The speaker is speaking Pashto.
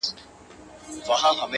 o خو له دې بې شرفۍ سره په جنګ یم.